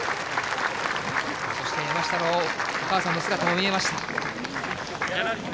そして、山下のお母さんの姿も見えました。